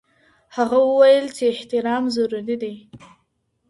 هغه وويل چي احترام ضروري دی.